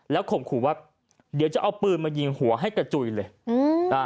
ข่มขู่ว่าเดี๋ยวจะเอาปืนมายิงหัวให้กระจุยเลยอืมอ่า